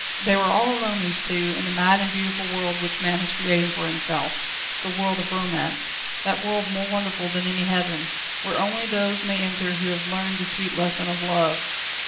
They were all alone these two in the mad and beautiful world, which man has created for himself the world of romance that world more wonderful than any heaven, where only those may enter who have learned the sweet lesson of love.